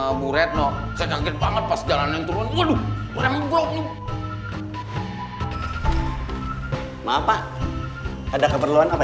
kamu retno saya kaget banget pas jalan yang turun waduh mereka memblok maaf pak ada keperluan apa